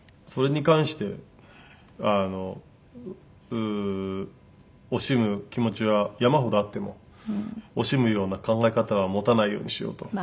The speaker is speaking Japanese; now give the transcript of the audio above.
それに関してあの惜しむ気持ちは山ほどあっても惜しむような考え方は持たないようにしようと。